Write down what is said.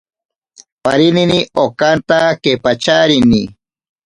Parinini okanta kepacharini.